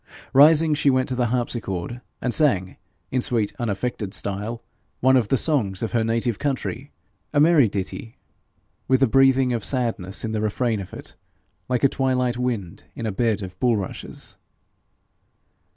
Rising, she went to the harpsichord, and sang, in sweet unaffected style, one of the songs of her native country, a merry ditty, with a breathing of sadness in the refrain of it, like a twilight wind in a bed of bulrushes.